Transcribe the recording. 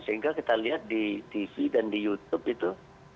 sehingga kita lihat di tv dan di youtube itu